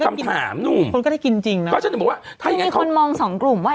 ไปต่อไม่ไหว